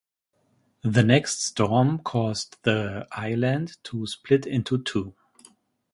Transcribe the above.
The next storm caused the island to split into two.